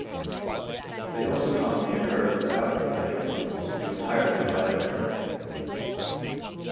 They also commonly occur without outside influence, due entirely to pilot error.